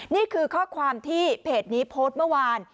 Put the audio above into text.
นี่คือข้อความที่เพจนี้โพสต์เมื่อวาน